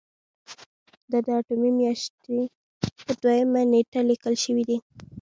دا د اتمې میاشتې په دویمه نیټه لیکل شوی دی.